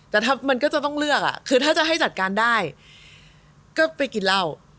แต่ถ้ามันก็จะต้องเลือกคือถ้าจะให้จัดการได้ก็ไปกินเหล้า